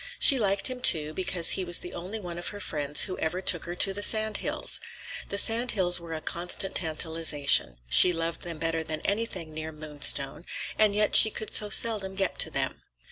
She liked him, too, because he was the only one of her friends who ever took her to the sand hills. The sand hills were a constant tantalization; she loved them better than anything near Moonstone, and yet she could so seldom get to them.